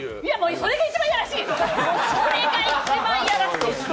それが一番いやらしい。